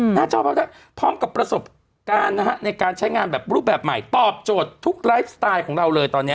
หน้าจอภาพได้พร้อมกับประสบการณ์นะฮะในการใช้งานแบบรูปแบบใหม่ตอบโจทย์ทุกไลฟ์สไตล์ของเราเลยตอนนี้